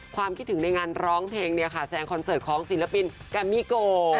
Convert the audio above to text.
ความคิดถึงในงานร้องเพลงเนี่ยค่ะแซงคอนเสิร์ตของศิลปินแกมมี่โก